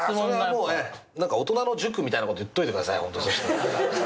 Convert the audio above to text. それはもうね何か大人の塾みたいなこと言っといてください。